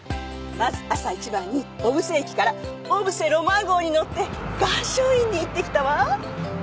まず朝一番に小布施駅からおぶせロマン号に乗って岩松院に行ってきたわ。